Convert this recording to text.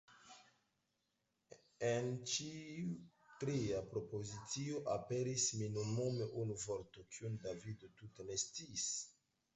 En ĉiu tria propozicio aperis minimume unu vorto, kiun Davido tute ne sciis.